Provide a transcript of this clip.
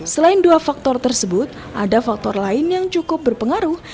selain dua faktor tersebut ada faktor lain yang cukup berpengaruh